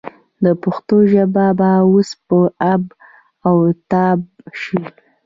د پښتو ژبه به اوس په آب و تاب شي.